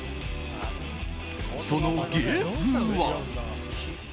その芸風は。